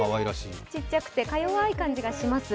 ちっちゃくて、か弱い感じがします